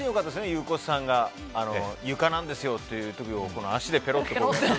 ゆうこすさんが床なんですよっていうのを足でペロっと。